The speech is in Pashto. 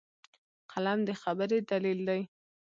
قلم د خبرې دلیل دی